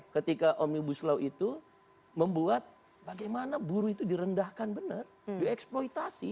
ketika om ibu slow itu membuat bagaimana buruh itu direndahkan benar dieksploitasi